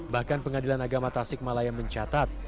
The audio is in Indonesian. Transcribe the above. bahkan pengadilan agama tasik malaya mencatat